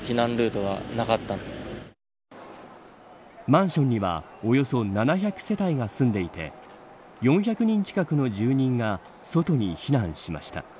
マンションにはおよそ７００世帯が住んでいて４００人近くの住人が外に避難しました。